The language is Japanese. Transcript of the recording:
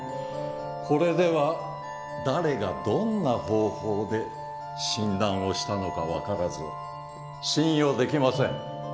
これでは誰がどんな方法で診断をしたのか分からず信用できません。